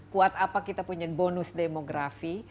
kuat apa kita punya bonus demografi